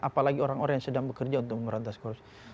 apalagi orang orang yang sedang bekerja untuk memberantas korupsi